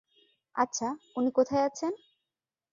আচ্ছা, উনি কোথায় আছেন?